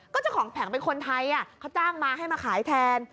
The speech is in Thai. ก็เจ้าของแผงเป็นคนไทยเขาจ้างมาให้มาขายแทน